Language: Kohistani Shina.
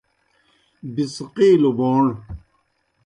بِڅقِیلوْ بوݨ